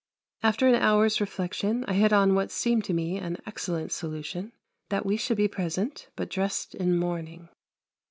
After an hour's reflection I hit on what seemed to me an excellent solution that we should be present, but dressed in mourning.